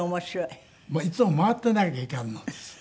いつも回っていなきゃいかんのです。